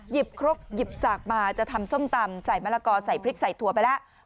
ครกหยิบสากมาจะทำส้มตำใส่มะละกอใส่พริกใส่ถั่วไปแล้ว